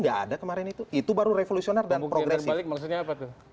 gak ada kemarin itu itu baru revolusioner dan progresif